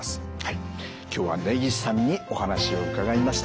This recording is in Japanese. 今日は根岸さんにお話を伺いました。